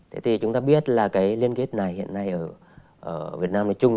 thế thì chúng ta biết là cái liên kết này hiện nay ở việt nam nói chung